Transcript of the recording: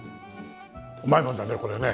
うまいもんだねこれね。